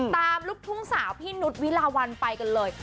ตามลูกทุ่งสาวพี่นุฏวิราวัลไปกันเลย